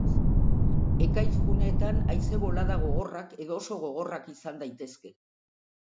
Ekaitz-guneetan haize-boladak gogorrak edo oso gogorrak izan daitezke.